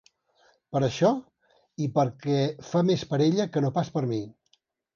Per això i perquè fa més per ella que no pas per mi.